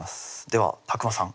では宅間さん